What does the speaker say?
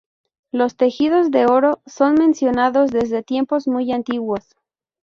Los tejidos de oro son mencionados desde tiempos muy antiguos.